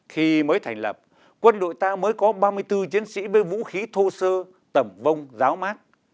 khi mới thành lập quân đội ta mới có ba mươi bốn chiến sĩ với vũ khí thô sơ tẩm vông ráo mát